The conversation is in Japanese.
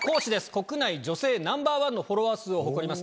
国内女性Ｎｏ．１のフォロワー数を誇ります